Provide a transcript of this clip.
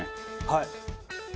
はい。